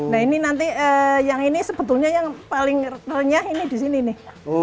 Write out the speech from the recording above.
nah ini nanti yang ini sebetulnya yang paling renyah ini di sini nih